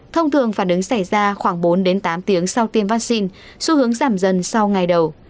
thông thường phản ứng xảy ra khoảng bốn tám tiếng sau tiêm vaccine xu hướng giảm dần sau ngày đầu